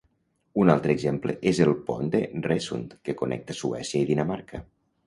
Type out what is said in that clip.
Un altre exemple és el pont de Øresund, que connecta Suècia i Dinamarca.